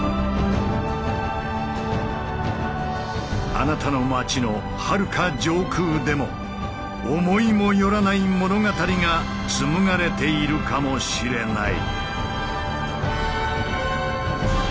あなたの街のはるか上空でも思いもよらない物語が紡がれているかもしれない。